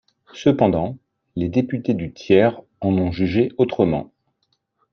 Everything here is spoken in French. Cependant, les députés du tiers en ont jugé autrement.